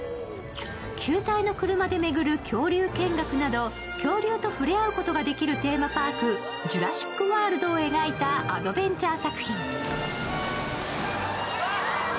球体の車で巡る恐竜見学など恐竜と触れ合うことができるテーマパーク、「ジュラシック・ワールド」を描いたアドベンチャー作品。